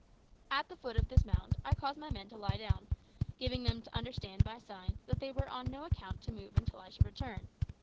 At the foot of this mound I caused my men to lie down, giving them to understand, by signs, that they were on no account to move until I should return.